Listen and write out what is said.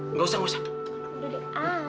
nggak usah nggak usah